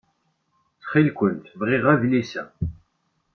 Ttxil-kent bɣiɣ adlis-a.